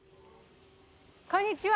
こんにちは。